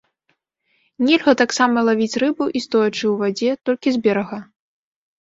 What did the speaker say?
Нельга таксама лавіць рыбу і стоячы ў вадзе, толькі з берага.